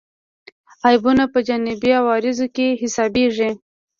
عیبونه په جانبي عوارضو کې حسابېږي.